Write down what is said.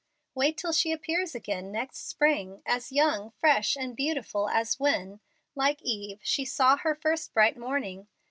Wait till she appears again next spring, as young, fresh, and beautiful as when, like Eve, she saw her first bright morning.